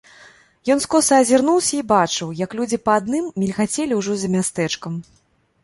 Ён скоса азірнуўся і бачыў, як людзі па адным мільгацелі ўжо за мястэчкам.